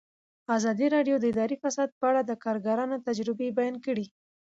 ازادي راډیو د اداري فساد په اړه د کارګرانو تجربې بیان کړي.